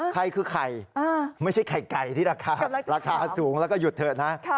ใครคือไข่ไม่ใช่ไข่ไก่ที่ราคาราคาสูงแล้วก็หยุดเถอะนะ